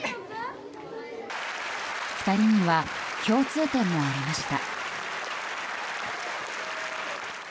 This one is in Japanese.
２人には共通点もありました。